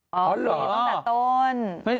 อ๋อเหรอสัตว์ต้น